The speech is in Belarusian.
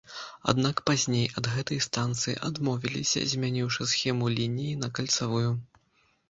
Аднак пазней ад гэтай станцыі адмовіліся, змяніўшы схему лініі на кальцавую.